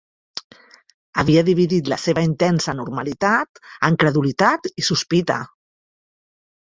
Havia dividit la seva intensa normalitat en credulitat i sospita.